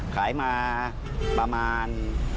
ขายมาประมาณ